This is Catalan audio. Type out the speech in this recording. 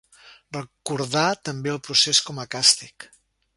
Recordar també el procés com a càstig.